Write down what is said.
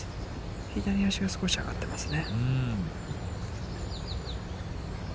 左足が少し上がってますね。